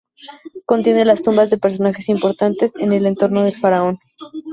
Contiene las tumbas de personajes importantes en el entorno del faraón.